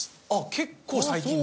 結構最近だ。